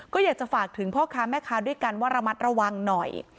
ก็อยากจะฝากถึงพ่อค้าแม่ค้าด้วยกันว่าระมัดระวังหน่อย